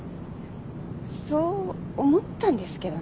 そう思ったんですけどね